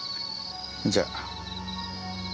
じゃあ。